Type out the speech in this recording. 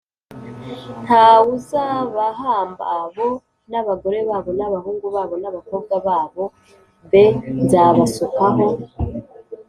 nta wuzabahamba bo n abagore babo n abahungu babo n abakobwa babo b Nzabasukaho